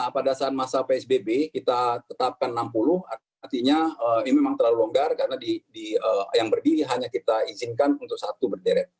pada saat masa psbb kita tetapkan enam puluh artinya ini memang terlalu longgar karena yang berdiri hanya kita izinkan untuk satu berderet